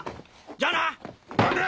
じゃあな！